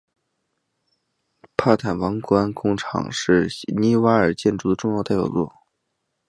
帕坦王宫广场是尼瓦尔建筑的重要代表作。